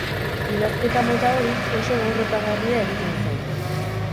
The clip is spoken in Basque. Idazketa mota hori oso gorrotagarria egiten zait.